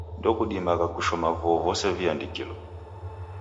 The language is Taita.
Ndekudimagha kushoma vuo vose viandikilo